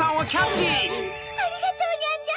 ありがとうニャンジャ！